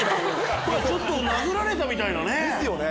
殴られたみたいなね。ですよね。